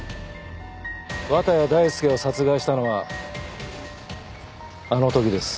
綿谷大介を殺害したのはあのときです。